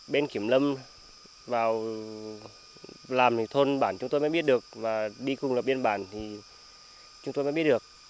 bên kiểm lâm vào làm thì thôn bản chúng tôi mới biết được và đi cùng lập biên bản thì chúng tôi mới biết được